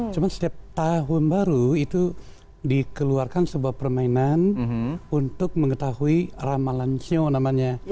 cuma setiap tahun baru itu dikeluarkan sebuah permainan untuk mengetahui ramalansio namanya